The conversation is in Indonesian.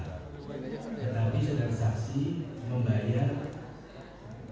oh iya yang saudara saksi katakan